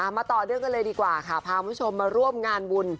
มาต่อเนื่องกันเลยดีกว่าค่ะพาคุณผู้ชมมาร่วมงานบุญ